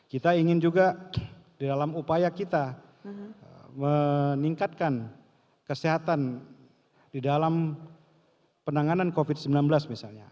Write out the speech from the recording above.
kita ingin juga di dalam upaya kita meningkatkan kesehatan di dalam penanganan covid sembilan belas misalnya